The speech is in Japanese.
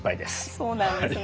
そうなんですね。